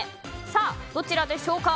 さあ、どちらでしょうか。